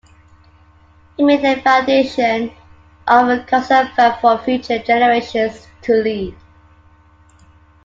He made the foundation of Khalsa firm for future generations to lead.